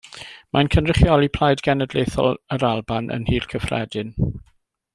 Mae'n cynrychioli Plaid Genedlaethol yr Alban yn Nhŷ'r Cyffredin.